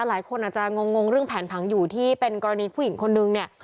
หลายคนอาจจะงงเรื่องแผนผังอยู่ที่เป็นกรณีผู้หญิงคนนึงเนี่ย